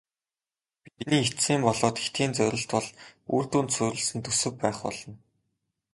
Бидний эцсийн болоод хэтийн зорилт бол үр дүнд суурилсан төсөв байх болно.